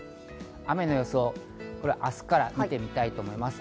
雨の予想、明日から見てみたいと思います。